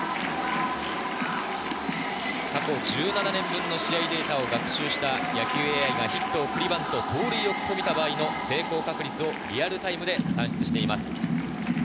過去１７年分の試合データを学習した野球ＡＩがヒット、送りバント、盗塁を試みた場合の成功確率をリアルタイムで算出しています。